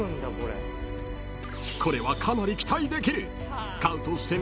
［これはかなり期待できる］